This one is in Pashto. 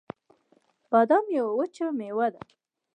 بادام یوه وچه مېوه ده